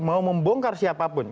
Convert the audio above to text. mau membongkar siapapun